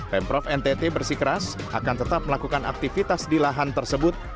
pemprov ntt bersikeras akan tetap melakukan aktivitas di lahan tersebut